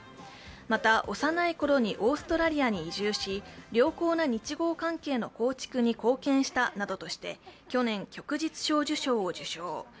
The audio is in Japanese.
また幼い頃にオーストラリアに移住し良好な日豪関係の構築に貢献したなどとして去年、旭日小綬章を受章。